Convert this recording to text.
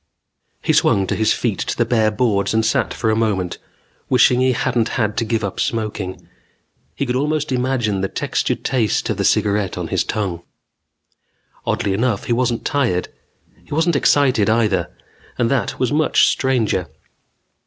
He swung his feet to the bare boards and sat for a moment, wishing he hadn't had to give up smoking. He could almost imagine the textured taste of the cigaret on his tongue. Oddly enough, he wasn't tired. He wasn't excited, either. And that was much stranger.